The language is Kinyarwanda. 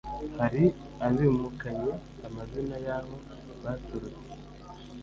hari abimukanye amazina y'aho baturutse: